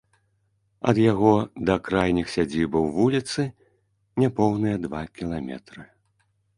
Ад яго да крайніх сядзібаў вуліцы няпоўныя два кіламетры.